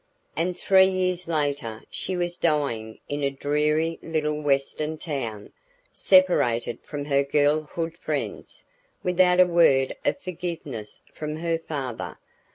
And three years later she was dying in a dreary little Western town, separated from her girlhood friends, without a word of forgiveness from her father.